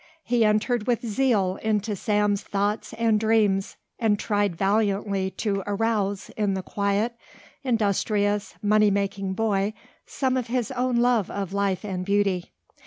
He entered with zeal into Sam's thoughts and dreams, and tried valiantly to arouse in the quiet, industrious, money making boy some of his own love of life and beauty.